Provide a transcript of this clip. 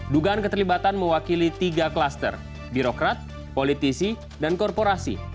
dugaan keterlibatan mewakili tiga klaster birokrat politisi dan korporasi